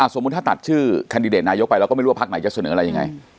สมมุติถ้าตัดชื่อแคนดิเดตนายกไปเราก็ไม่รู้ว่าภาคไหนจะเสนออะไรยังไง